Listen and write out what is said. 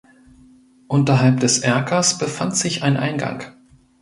Unterhalb des Erkers befand sich ein Eingang.